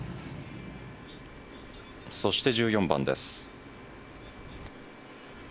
そして１４番です。